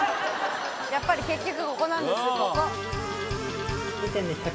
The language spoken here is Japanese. やっぱり結局ここなんですよここ。